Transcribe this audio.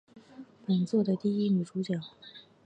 本作的第一女主角。